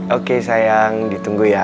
oke sayang ditunggu ya